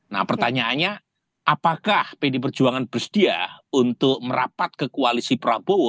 nah pertanyaannya apakah pd perjuangan bersedia untuk merapat ke koalisi prabowo